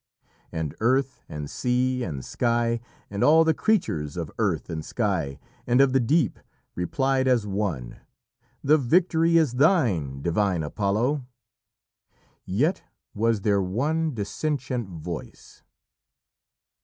And earth and sea and sky, and all the creatures of earth and sky, and of the deep, replied as one: "The victory is thine, Divine Apollo." Yet was there one dissentient voice.